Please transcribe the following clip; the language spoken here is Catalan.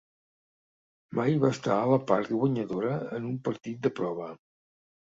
Mai va estar a la part guanyadora en un partit de prova.